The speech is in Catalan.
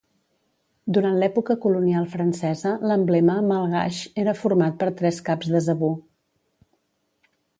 Durant l'època colonial francesa l'emblema malgaix era format per tres caps de zebú.